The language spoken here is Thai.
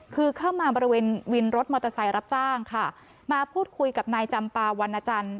คือเข้ามาบริเวณวินรถมอเตอร์ไซค์รับจ้างค่ะมาพูดคุยกับนายจำปาวันนาจันทร์